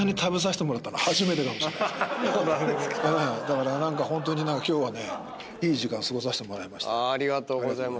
ホントですか⁉だからホントに今日はいい時間を過ごさせてもらいました。